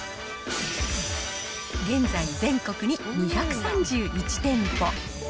現在、全国に２３１店舗。